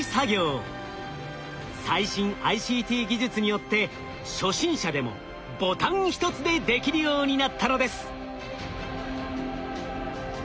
最新ＩＣＴ技術によって初心者でもボタン１つでできるようになったのです。